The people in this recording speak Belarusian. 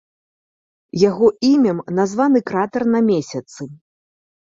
Яго імем названы кратар на месяцы.